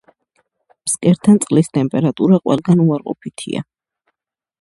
ფსკერთან წყლის ტემპერატურა ყველგან უარყოფითია.